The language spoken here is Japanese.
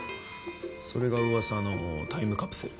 それが噂のタイムカプセル？